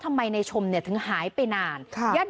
ทำไมในชมถึงหายไปนาน